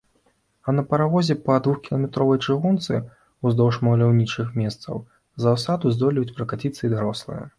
А на паравозе па двухкіламетровай чыгунцы ўздоўж маляўнічых месцаў заасаду здолеюць пракаціцца і дарослыя.